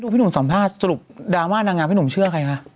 พี่หนุ่มสัมภาษณ์สรุปดราม่านางงามพี่หนุ่มเชื่อใครคะ